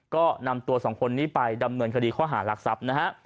ก็นำตัวสองคนนี้ไปดำเนินคดีข้อหารักทรัพย์นะฮะ